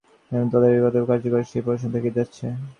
ফলে তদারকি কতটা কার্যকর, সেই প্রশ্ন থেকেই যাচ্ছে।